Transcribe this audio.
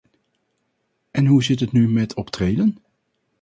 En hoe zit het nu met optreden?